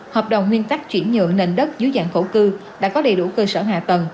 hợp đồng nguyên tắc chuyển nhượng nền đất dưới dạng khẩu cư đã có đầy đủ cơ sở hạ tầng